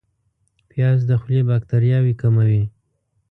پیاز د خولې باکتریاوې کموي